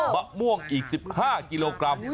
มะม่วงอีก๑๕กิโลกรัม